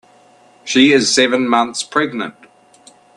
She is seven months pregnant.